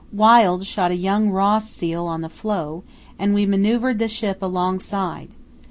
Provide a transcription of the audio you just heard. Wild shot a young Ross seal on the floe, and we manœuvred the ship alongside.